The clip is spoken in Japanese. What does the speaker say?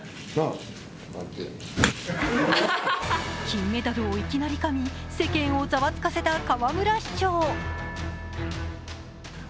金メダルをいきなりかみ、世間をざわつかせた河村市長。